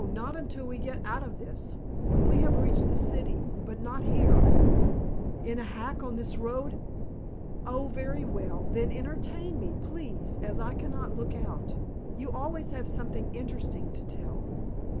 Not until we get out of this. When we have reached the city, but not here. In a hack on this road " "Oh, very well. Then entertain me, please, as I cannot look out. You always have something interesting to tell."